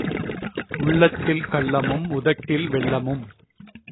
உள்ளத்தில் கள்ளமும், உதட்டில் வெல்லமும்.